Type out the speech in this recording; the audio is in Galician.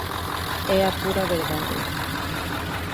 É a pura verdade.